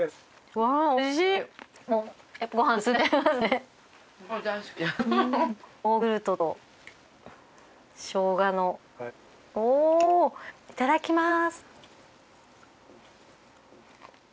はいいただきます。